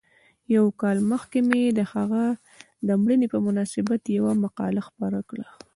یو کال مخکې مې د هغه د مړینې په مناسبت یوه مقاله خپره کړه.